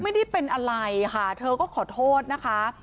ไม่ได้เป็นอะไรค่ะเธอก็ขอโทษนะคะ